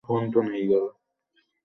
কোন যুগে নগ্নবীজী উদ্ভিদের অভ্যুদয় ঘটে?